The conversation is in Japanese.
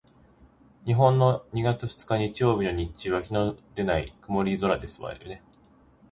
日本の二月二日日曜日の日中は日のでない曇り空ですわよね？